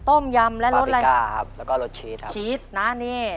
ต้มยำและรสอะไร